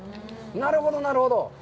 なるほどなるほど。